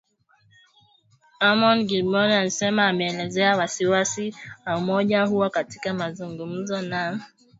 Eamon Gilmore alisema ameelezea wasi wasi wa umoja huo katika mazungumzo na